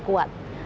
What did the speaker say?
dan sangatlah kuat